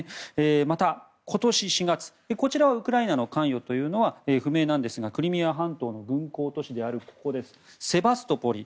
また今年４月こちらはウクライナの関与は不明ですがクリミア半島の軍港都市であるセバストポリ。